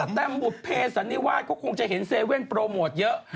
แต่บุภเพสันนิวาสก็คงจะเห็นเซเว่นโปรโมทเยอะ